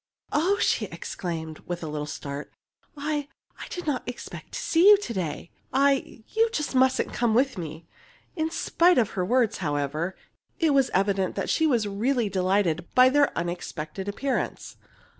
"Oh!" she exclaimed, with a little start; "I I did not expect to see you to day. I you mustn't come with me!" In spite of her words, however, it was evident that she was really delighted by their unexpected appearance.